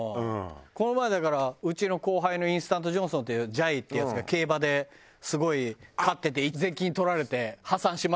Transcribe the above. この前だからうちの後輩のインスタントジョンソンっていうじゃいってヤツが「競馬ですごい勝って税金取られて破産しました」。